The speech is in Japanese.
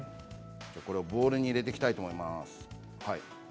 これをボウルに入れていきたいと思います。